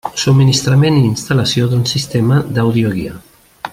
Subministrament i instal·lació d'un sistema d'àudio guia.